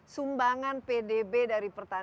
sumbangan pdb dari pertanian